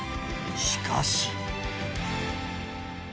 しかし。